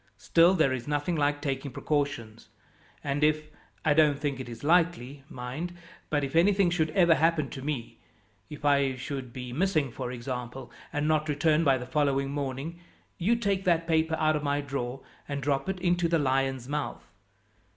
Still there is nothing like taking precautions, and if I don't think it is likely, mind but if anything should ever happen to me if I should be missing, for example, and not return by the following morning you take that paper out of my drawer and drop it into the Lion's Mouth.